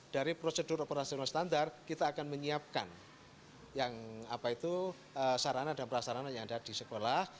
dari prosedur operasional standar kita akan menyiapkan sarana dan prasarana yang ada di sekolah